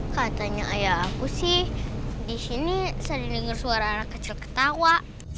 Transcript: katanya ayah aku sih disini saya denger suara anak kecil ketawa